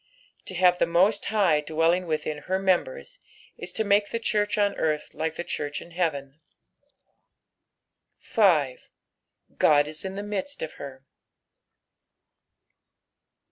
To have the Host High dwelling witliin her members, ia to make the church on earth like the church in heaven. 5. " God M in the midit of her."